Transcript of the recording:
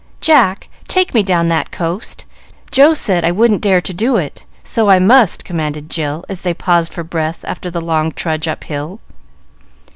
"Jack, take me down that coast. Joe said I wouldn't dare to do it, so I must," commanded Jill, as they paused for breath after the long trudge up hill.